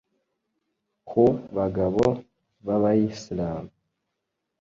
ku bagabo b’abayislam